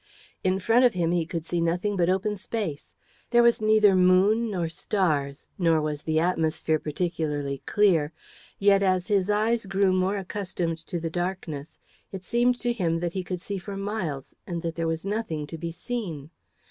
In front of him he could see nothing but open space. There was neither moon nor stars, nor was the atmosphere particularly clear; yet, as his eyes grew more accustomed to the darkness, it seemed to him that he could see for miles, and that there was nothing to be seen.